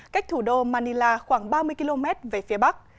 cách thủ đô manila khoảng ba mươi km về phía bắc